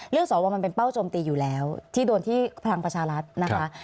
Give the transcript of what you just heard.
สวมันเป็นเป้าโจมตีอยู่แล้วที่โดนที่พลังประชารัฐนะคะ